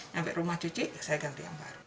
sampai rumah cuci saya ganti yang baru